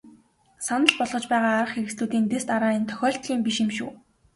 Санал болгож байгаа арга хэрэгслүүдийн дэс дараа нь тохиолдлын биш юм шүү.